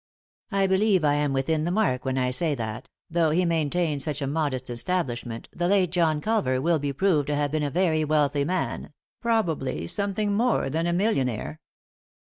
I believe I am within the mark when I say that, though he maintained such a modest establish ment, the late John Culver will be proved to have been a very wealthy man, probably something more than a millionaire."